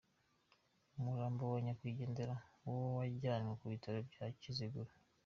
Umurambo wa nyakwigendera wo wajyanywe ku bitaro bya Kiziguro.